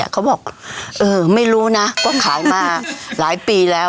เขาบอกเออไม่รู้นะว่าขายมาหลายปีแล้ว